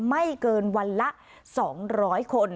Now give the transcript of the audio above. ไม่เกินวันละ๒๐๐คน